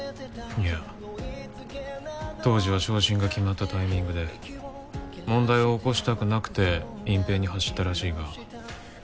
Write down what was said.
いや当時は昇進が決まったタイミングで問題を起こしたくなくて隠蔽に走ったらしいが。